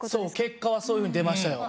結果はそういうふうに出ましたよ。